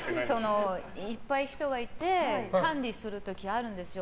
いっぱい人がいて管理する時あるんですよ。